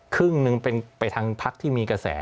ครึ่งหนึ่งเป็นไปทางพักที่มีกระแส